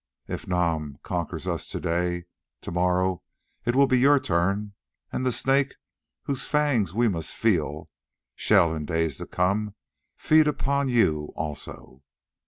If Nam conquers us to day, to morrow it will be your turn, and the Snake, whose fangs we must feel, shall in days to come feed upon you also.